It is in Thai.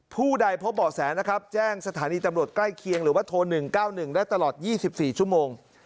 ผู้ใดพบเบาะแสนะครับแจ้งสถานีตำรวจใกล้เคียงหรือว่าโทร๑๙๑ได้ตลอด๒๔ชั่วโมง